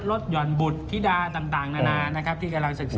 หย่อนบุตรธิดาต่างนานานะครับที่กำลังศึกษา